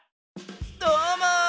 どうも！